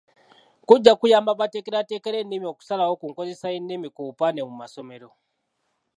Kujja kuyamba abateekerateekera ennimi okusalawo ku nkozesa y'ennimi ku bupande mu masomero.